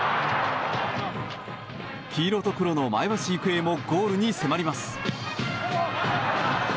黄色と黒の前橋育英もゴールに迫ります。